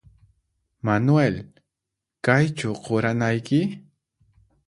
Manuel ¿Kaychu quranayki?